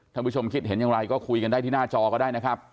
ผู้ชมคิดเห็นอย่างไรก็คุยกันได้ที่หน้าจอก็ได้นะครับ